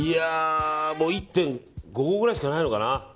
１．５合くらいしかないのかな。